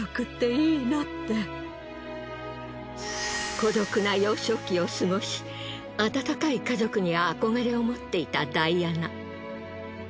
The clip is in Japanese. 孤独な幼少期を過ごし温かい家族に憧れを持っていたダイアナ。